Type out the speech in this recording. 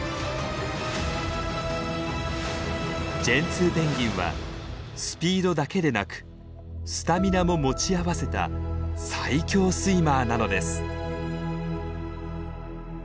ジェンツーペンギンはスピードだけでなくスタミナも持ち合わせた最強スイマーなのです。